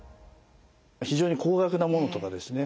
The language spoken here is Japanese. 非常に高額なものとかですね